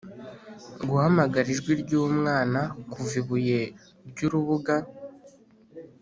guhamagara ijwi ryumwana kuva ibuye ryurubuga,